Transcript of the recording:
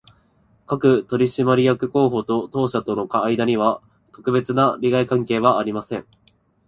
各取締役候補と当社との間には、特別な利害関係はありません